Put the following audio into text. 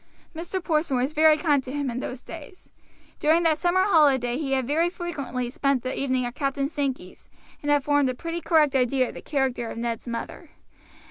Mr. Porson was very kind to him in those days. During that summer holiday he had very frequently spent the evening at Captain Sankey's, and had formed a pretty correct idea of the character of Ned's mother.